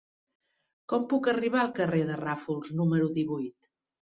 Com puc arribar al carrer de Ràfols número divuit?